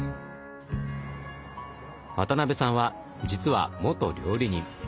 渡辺さんは実は元料理人。